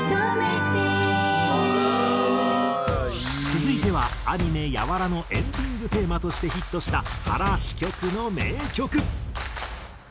続いてはアニメ『ＹＡＷＡＲＡ！』のエンディングテーマとしてヒットした原詞曲の名曲。